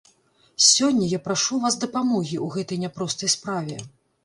Сёння я прашу ў вас дапамогі ў гэтай няпростай справе.